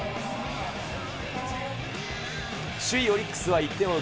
首位オリックスは１点を追う